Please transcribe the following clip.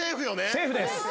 セーフです。